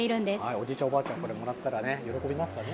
おじいちゃん、おばあちゃん、これ、もらったら喜びますかね。